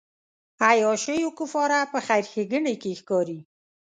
عیاشیو کفاره په خیر ښېګڼې کې ښکاري.